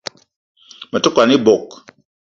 Me te kwan ebog